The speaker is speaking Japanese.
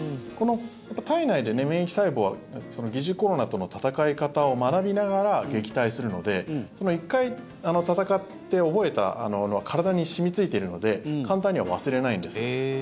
体内で免疫細胞が疑似コロナとの戦い方を学びながら撃退するので１回、戦って覚えたのは体に染みついているので簡単には忘れないんです。